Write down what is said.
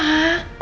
pak ada apa